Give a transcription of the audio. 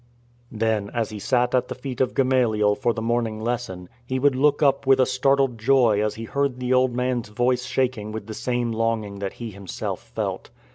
Then, as he sat at the feet of Gamaliel for the morning lesson, he would look up with a startled joy as he heard the old man's voice shaking with the same longing that he himself felt.